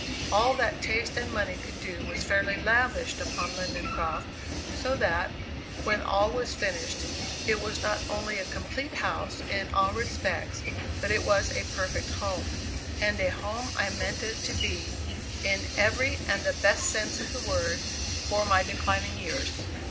All that taste and money could do was fairly lavished upon Lindencroft; so that, when all was finished, it was not only a complete house in all respects, but it was a perfect home. And a home I meant it to be, in every and the best sense of the word, for my declining years.